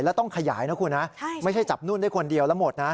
แล้วต้องขยายนะคุณนะไม่ใช่จับนุ่นได้คนเดียวแล้วหมดนะ